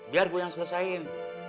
biar gue yang selesain